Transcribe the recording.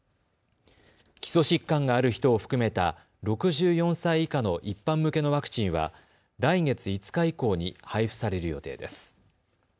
基礎疾患がある人を含めた６４歳以下の一般向けのワクチンは来月５日以降に配布される予定です。